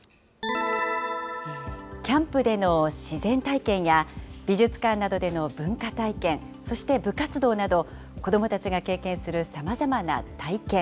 キャンプでの自然体験や、美術館などでの文化体験、そして部活動など、子どもたちが経験するさまざまな体験。